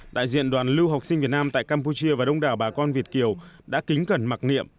đại diện đoàn lưu học sinh việt nam tại campuchia và đông đảo bà con việt kiều đã kính cẩn mặc niệm